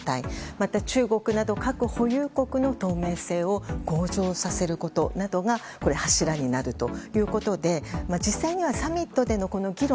また、中国など核保有国の透明性を向上させることなどが柱になるということで実際にはサミットでの議論